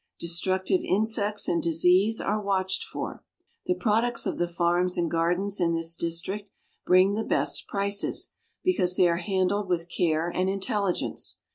Destructive insects and disease are watched for. The products of the farms and gardens in this district bring the best prices, because they are handled with care and intelligence.